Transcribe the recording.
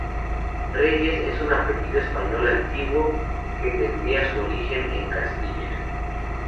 Reyes es un apellido español antiguo, que tendría su origen en Castilla.